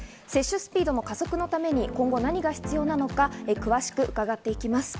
スピードの加速のために今後何が必要なのか、詳しく伺っていきます。